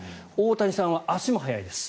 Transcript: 大谷さんは足も速いです。